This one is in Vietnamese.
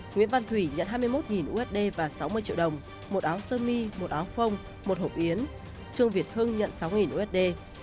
nguyễn văn thủy nhận hai mươi một usd và sáu mươi triệu đồng một áo sơ mi một áo phông một hộp yến trương việt hưng nhận sáu usd